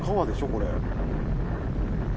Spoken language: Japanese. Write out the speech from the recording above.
これ。